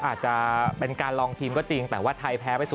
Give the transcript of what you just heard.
อาจจะเป็นการลองทีมก็จริงแต่ว่าไทยแพ้ไป๐